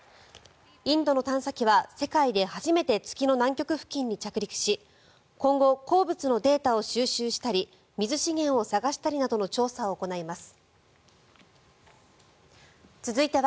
インドの探査機は世界で初めて月の南極付近に着陸し今後、鉱物のデータを収集したり水資源を探したりなどの調査を行います。